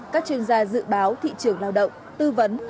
các chuyên gia dự báo thị trường lao động tư vấn